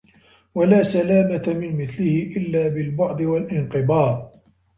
وَلَا سَلَامَةَ مِنْ مِثْلِهِ إلَّا بِالْبُعْدِ وَالِانْقِبَاضِ